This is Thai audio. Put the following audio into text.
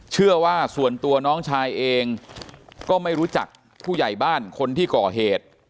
เชื่อว่าส่วนตัวน้องชายเองก็ไม่รู้จักผู้ใหญ่บ้านคนที่ก่อเหตุ